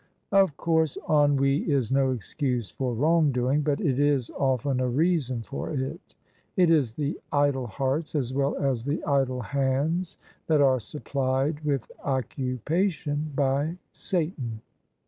Of course ennui is no excuse for wrong doing: but it is often a reason for it. It is the idle hearts, as well as the idle hands, that are supplied with occupation by Satan.